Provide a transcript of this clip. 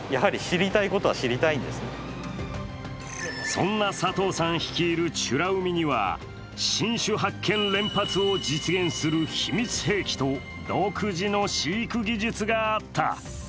そんな佐藤さん率いる美ら海には新種発見連発を実現する秘密兵器と独自の飼育技術があった。